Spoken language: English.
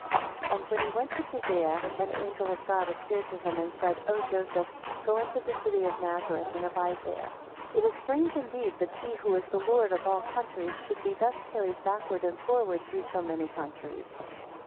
16 And when he went to Judea, an, angel of God appeared to him, and said, O Joseph go into the city of Nazareth, and abide there. 17 It is strange indeed, that he, who is the Lord of all countries, should be thus carried backward and forward, through so many countries.